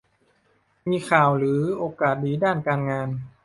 มีข่าวหรือโอกาสดีด้านการงาน